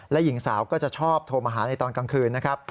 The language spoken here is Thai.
และหญิงสาวก็จะชอบโทรมาหาในตอนกลางคืนนะครับ